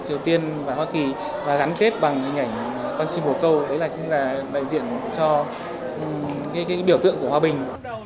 triều tiên và hoa kỳ và gắn kết bằng hình ảnh con chim bồ câu đấy là chính là đại diện cho cái biểu tượng của hòa bình